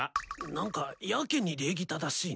何かやけに礼儀正しいな。